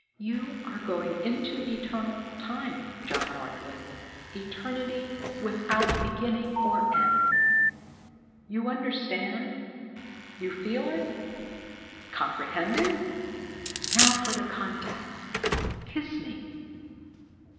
"You are going into Eternal Time, John Northwood, Eternity without beginning or end. You understand? You feel it? Comprehend it? Now for the contact kiss me!"